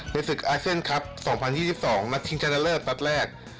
ในศึกอาเซียนคัพ๒๐๒๒นัทชิงชันเลอร์ตัดแรก